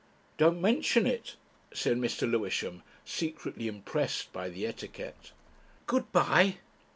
"Don't mention it," said Mr. Lewisham, secretly impressed by the etiquette. "Good bye."